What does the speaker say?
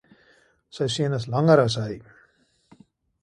Sy seun is langer as hy.